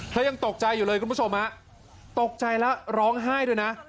ยังตกใจอยู่เลยคุณผู้ชมฮะตกใจแล้วร้องไห้ด้วยนะ